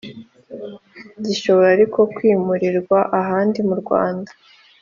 Gishobora ariko kwimurirwa ahandi mu Rwanda